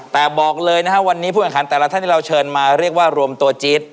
แต่บอกเลยนะครับวันนี้ผู้แข่งขันแต่ละท่านที่เราเชิญมาเรียกว่ารวมตัวจี๊ด